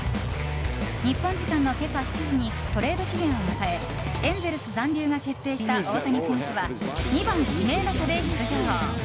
日本時間の今朝７時にトレード期限を迎えエンゼルス残留が決定した大谷選手は２番指名打者で出場。